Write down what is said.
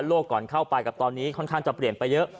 ก่อนเข้าไปกับตอนนี้ค่อนข้างจะเปลี่ยนไปเยอะ